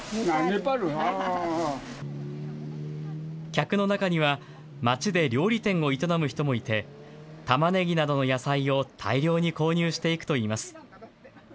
客の中には、町で料理店を営む人もいて、タマネギなどの野菜を大量に購入していくといいます。